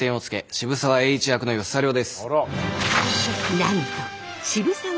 渋沢栄一役の吉沢亮です。